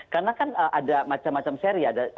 karena kan ada macam macam seri